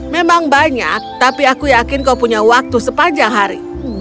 memang banyak tapi aku yakin kau punya waktu sepanjang hari